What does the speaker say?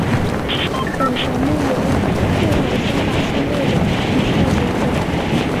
本条目为混合双打项目的比赛结果。